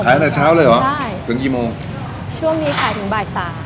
ตั้งแต่เช้าเลยเหรอใช่ถึงกี่โมงช่วงนี้ขายถึงบ่ายสาม